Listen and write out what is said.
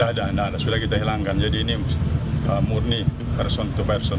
sudah ada sudah kita hilangkan jadi ini murni person to balson